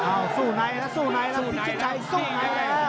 อ้าวสู้ไหนละสู้ไหนละพิชิไชยสู้ไหนละ